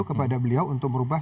kepada beliau untuk merubah